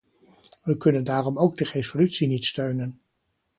We kunnen daarom ook de resolutie niet steunen.